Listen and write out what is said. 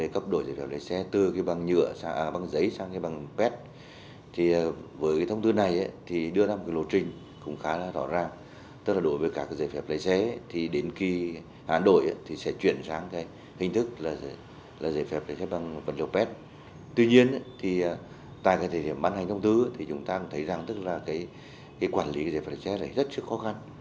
cái quản lý giấy phép lái xe này rất là khó khăn